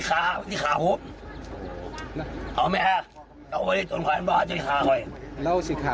คุยโต้ตอบกับตำรวจเนี่ยยังเข้าใจอยู่เลยนะ